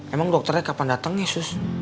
emang dokternya kapan datang ya sus